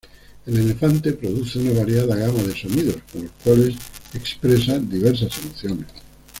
El elefante produce una variada gama de sonidos, con los cuales expresa diversas emociones.